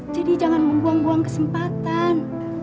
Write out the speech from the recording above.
jadi jangan membuang buang kesempatan